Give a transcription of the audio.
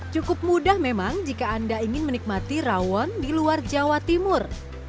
cukup mudah memang jika anda ingin menikmati rawon di luar jawa timur